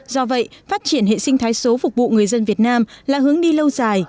do vậy phát triển hệ sinh thái số phục vụ người dân việt nam là hướng đi lâu dài